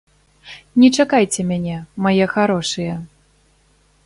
Не чакайце мяне, мае харошыя.